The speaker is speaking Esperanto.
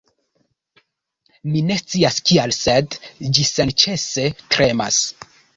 Mi ne scias kial sed ĝi senĉese tremas